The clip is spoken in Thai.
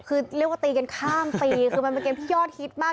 คือเรียกว่าตีกันข้ามปีคือมันเป็นเกมที่ยอดฮิตมาก